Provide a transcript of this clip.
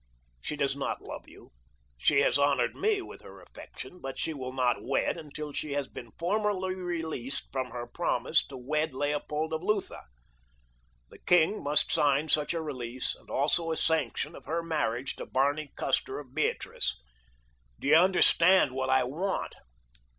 She does not love you. She has honored me with her affection, but she will not wed until she has been formally released from her promise to wed Leopold of Lutha. The king must sign such a release and also a sanction of her marriage to Barney Custer, of Beatrice. Do you understand what I want?"